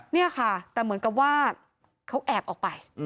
นี่ค่ะแต่เหมือนกับว่าเขาแอบออกไป